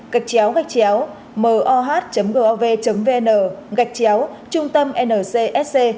gạch chéo gạch chéo mohah gov vn gạch chéo trung tâm ncsc